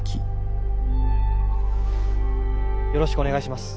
よろしくお願いします。